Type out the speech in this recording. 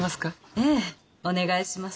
ええお願いします。